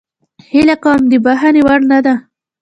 هیله کوم د بخښنې وړ نه ده.